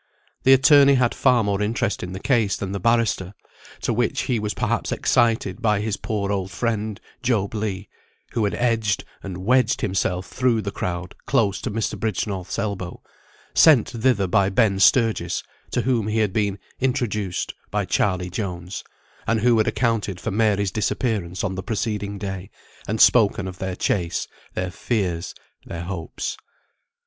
The attorney had far more interest in the case than the barrister, to which he was perhaps excited by his poor old friend Job Legh; who had edged and wedged himself through the crowd close to Mr. Bridgenorth's elbow, sent thither by Ben Sturgis, to whom he had been "introduced" by Charley Jones, and who had accounted for Mary's disappearance on the preceding day, and spoken of their chase, their fears, their hopes.